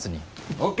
ＯＫ。